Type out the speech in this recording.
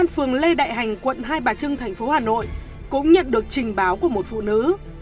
phường lê đại hành quận hai bà trưng thành phố hà nội cũng nhận được trình báo của một phụ nữ